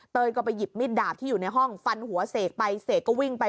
ก็ไปหยิบมิดดาบที่อยู่ในห้องฟันหัวเสกไปเสกก็วิ่งไป